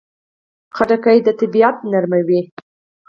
خټکی د طبعیت نرموي.